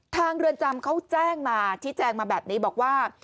ทางริวัณจำเขาแจ้งมาที่แจ้งมาแบบนี้บอกว่า